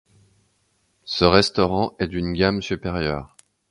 Ce restaurant est d'une gamme supérieure.